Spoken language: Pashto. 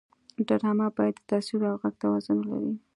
ډرامه باید د تصویر او غږ توازن ولري